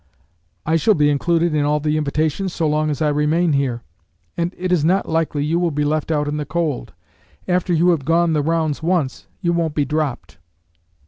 "I shall be included in all the invitations so long as I remain here; and it is not likely you will be left out in the cold. After you have gone the rounds once, you won't be dropped."